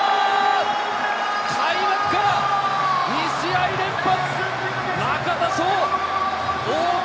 開幕から２試合連発！